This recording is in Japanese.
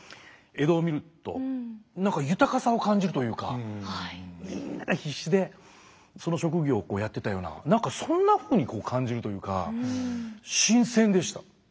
江戸を見ると何か豊かさを感じるというかみんなが必死でその職業をこうやってたような何かそんなふうに感じるというか新鮮でした。